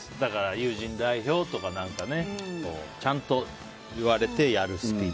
友人代表とかちゃんと言われてやるスピーチ。